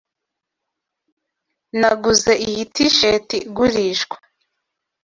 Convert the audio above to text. Naguze iyi T-shirt igurishwa.